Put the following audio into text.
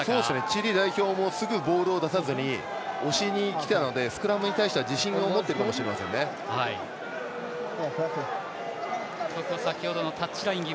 チリ代表もすぐボールを出さずに押しにきたのでスクラムに対しては先ほどのタッチライン際。